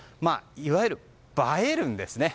いわゆる映えるんですね。